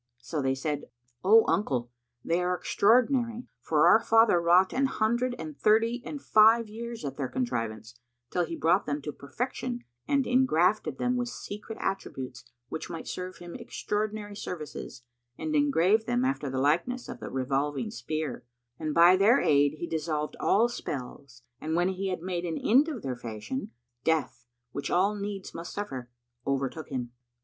So they said, "O uncle, they are extraordinary; for our father wrought an hundred and thirty and five years at their contrivance, till he brought them to perfection and ingrafted them with secret attributes which might serve him extraordinary services and engraved them after the likeness of the revolving sphere, and by their aid he dissolved all spells; and when he had made an end of their fashion, Death, which all needs must suffer, overtook him.